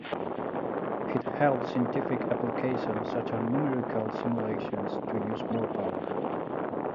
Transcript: It helps scientific applications such as numerical simulations to use more power.